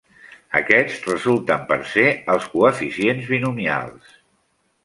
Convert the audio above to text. Aquests resulten per ser els coeficients binomials.